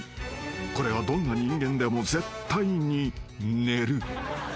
［これはどんな人間でも絶対に寝る］